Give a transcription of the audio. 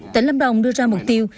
tỉnh lâm đồng đưa ra mục tiêu